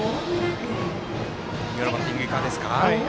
今のバッティングいかがですか。